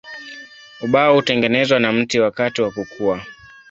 Ubao hutengenezwa na mti wakati wa kukua.